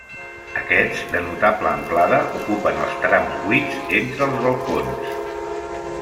Aquests, de notable amplada, ocupen els trams buits entre els balcons.